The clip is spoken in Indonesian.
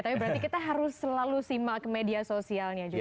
tapi berarti kita harus selalu simak ke media sosialnya juga